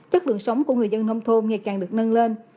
chất lượng sống của người dân nông thôn ngày càng được nâng lên